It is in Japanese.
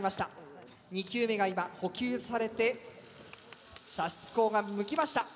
２球目が今補給されて射出口が向きました。